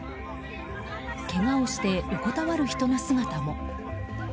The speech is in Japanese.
けがをして横たわる人の姿も。